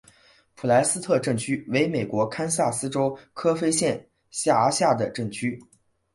普莱森特镇区为美国堪萨斯州科菲县辖下的镇区。